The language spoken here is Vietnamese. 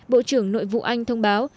bộ trưởng nội vụ anh thông báo